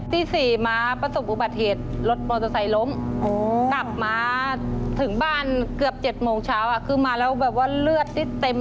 ที่๔มาประสงค์อุบัติเหตุรถมอเตอร์ไซค์ล้ม